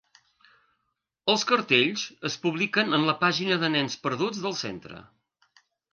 Els cartells es publiquen en la pàgina de nens perduts del centre.